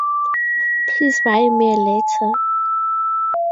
Please write me a letter.